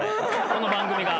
この番組が。